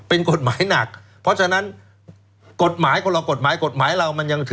เป็นกฎหมายหนักเพราะฉะนั้นกฎหมายคนเรากฎหมาย